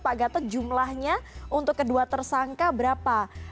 pak gatot jumlahnya untuk kedua tersangka berapa